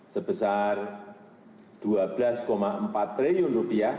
sebesar rp dua belas empat triliun